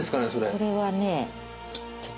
これはね。